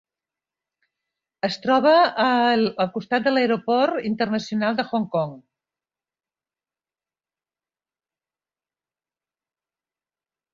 Es troba al costat de l'Aeroport Internacional de Hong Kong.